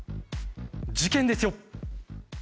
事件ですよ。